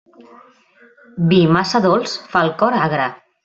Vi massa dolç fa el cor agre.